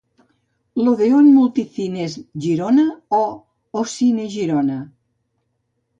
L'Odeón Multicines Girona o l'Ocine Girona?